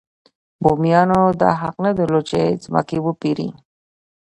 بومیانو دا حق نه درلود چې ځمکې وپېري.